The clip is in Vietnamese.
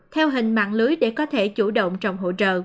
theo hình mạng lưới để có thể chủ động trong hỗ trợ